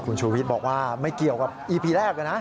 คุณชูวิทย์บอกว่าไม่เกี่ยวกับอีพีแรกนะ